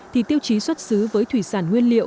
thì tiêu chí xuất xứ với thủy sản nguyên liệu